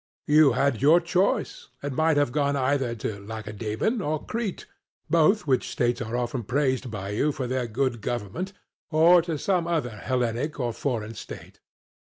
You had your choice, and might have gone either to Lacedaemon or Crete, both which states are often praised by you for their good government, or to some other Hellenic or foreign state.